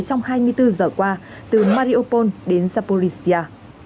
trong hai mươi bốn giờ qua từ mariupol đến zaporizhia